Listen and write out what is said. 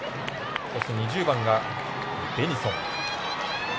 そして２０番がベニソン。